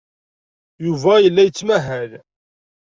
Yuba yella yettmahal.